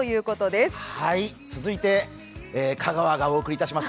１続いて香川がお送りいたします